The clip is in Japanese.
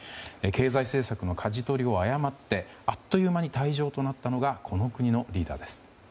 経済政策のかじ取りを誤ってあっという間に退場となったのがこの国のリーダーです。